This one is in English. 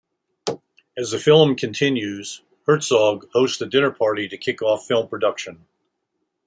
As the film continues, Herzog hosts a dinner party to kick off film production.